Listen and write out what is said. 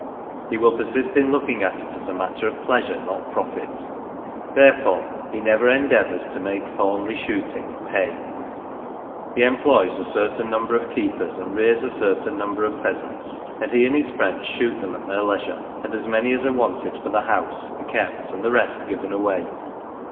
He will persist in looking at it as a matter of pleasure, not profit ; therefore he never endeavours to make Thornleigh shooting " pay." He employs a certain number of keepers, and rears a certain number of pheasants, and he and his friends shoot them at their leisure, and as many as are wanted for " the house " are kept and the rest given away.